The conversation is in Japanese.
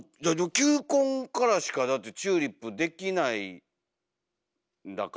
球根からしかだってチューリップできないんだから。